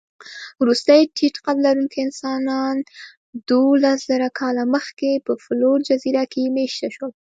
وروستي ټيټقدلرونکي انسانان دوولسزره کاله مخکې په فلور جزیره کې مېشته شول.